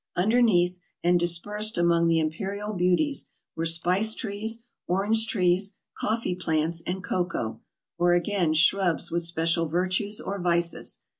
Underneath, and dispersed among the imperial beauties, were spice trees, orange trees, coffee plants, and cocoa, or again, shrubs with special virtues or vices.